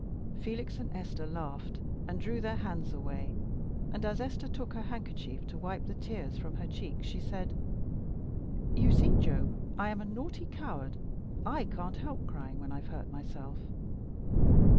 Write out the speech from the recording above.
Felix and Esther laughed, and drew their hands away; and as Esther took her handkerchief to wipe the tears from her cheeks she said "You see, Job, I am a naughty coward. I can't help crying when I've hurt myself."